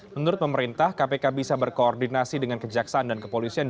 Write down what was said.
menurut pemerintah kpk bisa berkoordinasi dengan kejaksaan dan kepolisian